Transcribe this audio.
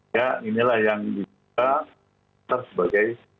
ya inilah yang kita sebut sebagai